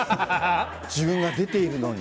自分が出ているのに。